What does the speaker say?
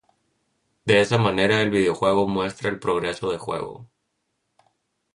De esa manera el videojuego muestra el progreso de juego.